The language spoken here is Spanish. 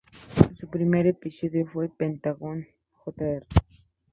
Su primer episodio fue Pentagón Jr.